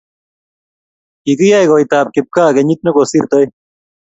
kikiyei koitab kipgaa kenyit ne kosirtoi